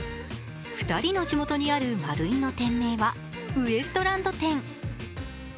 ２人の地元にあるマルイの店名はウエストランド店。